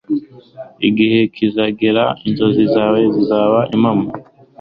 Igihe kizagera inzozi zawe zizaba impamo